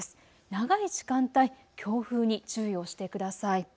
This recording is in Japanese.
長い時間帯、強風に注意をしてください。